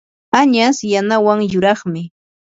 añas yanawan yuraqmi.